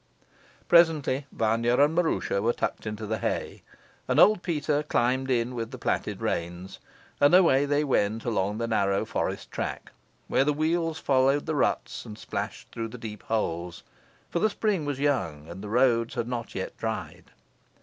Presently Vanya and Maroosia were tucked into the hay, and old Peter climbed in with the plaited reins, and away they went along the narrow forest track, where the wheels followed the ruts and splashed through the deep holes; for the spring was young, and the roads had not yet dried.